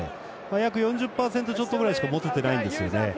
約４０％ちょっとぐらいしか持ててないんですよね。